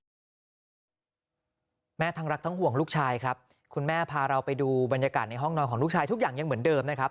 แม่ทั้งรักทั้งห่วงลูกชายครับคุณแม่พาเราไปดูบรรยากาศในห้องนอนของลูกชายทุกอย่างยังเหมือนเดิมนะครับ